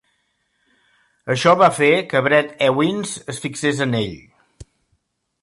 Això va fer que Brett Ewins es fixés en ell.